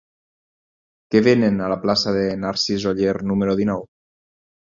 Què venen a la plaça de Narcís Oller número dinou?